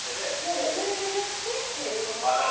巡り巡ってということですね。